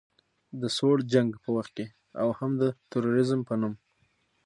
د سوړ جنګ په وخت کې او هم د تروریزم په نوم